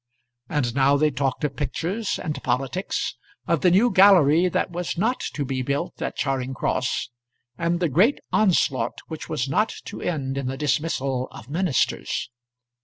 And now they talked of pictures and politics of the new gallery that was not to be built at Charing Cross, and the great onslaught which was not to end in the dismissal of Ministers.